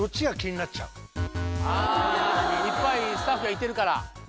いっぱいスタッフがいてるから。